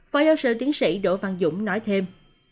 phó giáo sư tiến sĩ đỗ văn dũng nói thêm